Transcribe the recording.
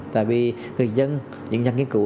tại vì người dân những nhà nghiên cứu